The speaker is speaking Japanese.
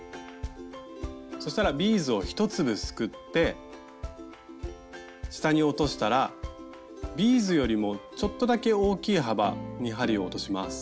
そしたらビーズを１粒すくって下に落としたらビーズよりもちょっとだけ大きい幅に針を落とします。